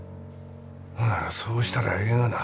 ほならそうしたらええがな。